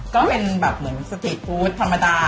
ก็เป็นแบบสตรีทฟู้ดธรรมดา